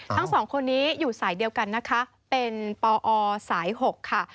ทั้งสองคนนี้อยู่สายเดียวกันนะคะเป็นปอสาย๖ค่ะ